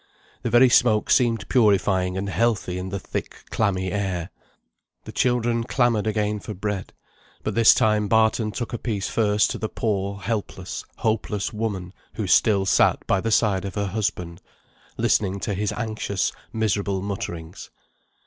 The very smoke seemed purifying and healthy in the thick clammy air. The children clamoured again for bread; but this time Barton took a piece first to the poor, helpless, hopeless woman, who still sat by the side of her husband, listening to his anxious miserable mutterings.